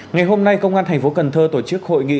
ngày hôm nay công an tp cn tổ chức hội nghị